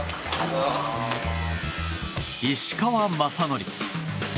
石川雅規。